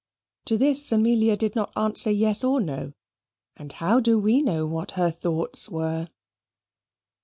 To this Amelia did not answer, yes or no: and how do we know what her thoughts were?